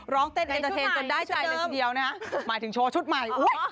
ร้องเต้นเอ็นเตอร์เทนจนได้ใจเลยทีเดียวนะฮะหมายถึงโชว์ชุดใหม่